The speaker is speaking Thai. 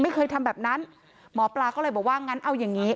ไม่เคยทำแบบนั้นหมอปลาก็เลยบอกว่างั้นเอาอย่างงี้